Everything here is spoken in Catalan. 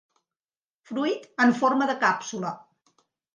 Fruit en forma de càpsula.